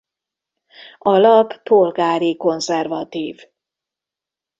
A lap polgári-konzervatív.